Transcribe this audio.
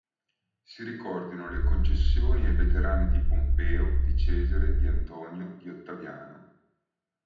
Si ricordino le concessioni ai veterani di Pompeo, di Cesare, di Antonio, di Ottaviano.